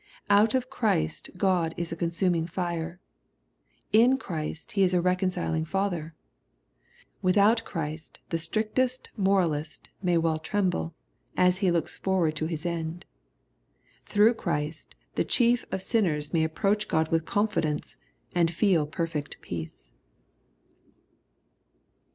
Out of Christ Q od is a consuming fire. In Christ He is a reconciled Father. Without Christ the strictest moral ist may well tremble^ as he looks forward to his end* Through Christ the chief of sinners may approach God with confidence, and feel perfect peace.